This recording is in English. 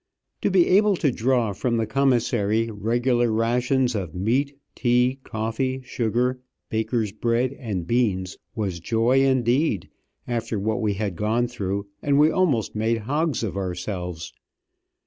To be able to draw from the commissary regular rations of meat, tea, coffee, sugar, baker's bread, and beans, was joy indeed, after what we had gone through, and we almost made hogs of ourselves.